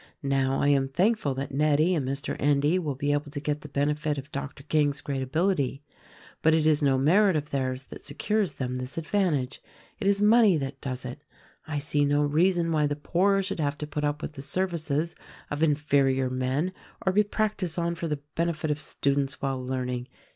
Now, I am thankful that Nettie and Mr. Endy will be able to get the benefit of Doc tor King's great ability; but it is no merit of theirs that secures them this advantage. It is money that does it. I see no reason why the poor should have to put up with the services of inferior men or be practiced on for the benefit of students while learning.